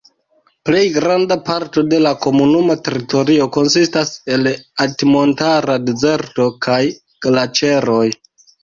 La plej granda parto de la komunuma teritorio konsistas el altmontara dezerto kaj glaĉeroj.